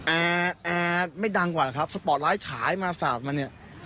แอ๊ดแอ๊ดไม่ดังกว่าหรือครับสปอร์ตร้ายฉายมาสาบมาเนี่ย